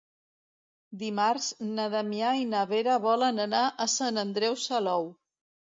Dimarts na Damià i na Vera volen anar a Sant Andreu Salou.